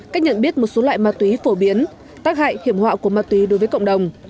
cách nhận biết một số loại ma túy phổ biến tác hại hiểm họa của ma túy đối với cộng đồng